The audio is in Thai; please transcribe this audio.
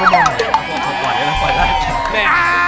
อ้าาาา